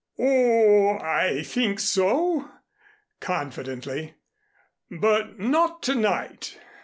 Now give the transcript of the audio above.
"Oh, I think so," confidently. "But not to night.